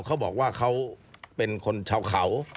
เขาบอกว่าเขาเป็นคนชาวเขา